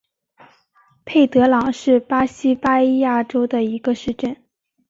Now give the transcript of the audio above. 佩德朗是巴西巴伊亚州的一个市镇。